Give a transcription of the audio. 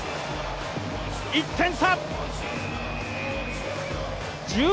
１点差！